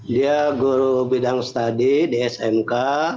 dia guru bidang studi di smk